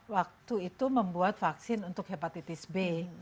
waktu itu membuat vaksin untuk hepatitis b